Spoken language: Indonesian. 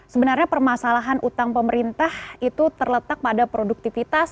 sebenarnya permasalahan utang pemerintah itu terletak pada produktivitas